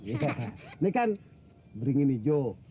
ini kan beringin hijau